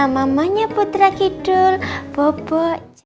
mamanya putra kidul bobo